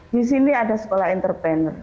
di sini ada sekolah entrepreneur